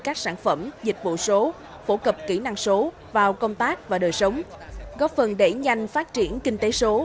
các sản phẩm dịch vụ số phổ cập kỹ năng số vào công tác và đời sống góp phần đẩy nhanh phát triển kinh tế số